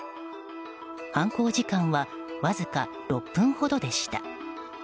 犯行時間はわずか６分ほどでした。